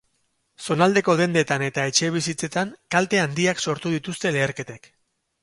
Zonaldeko dendetan eta etxebizitzetan kalte handiak sortu dituzte leherketek.